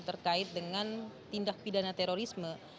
terkait dengan tindak pidana terorisme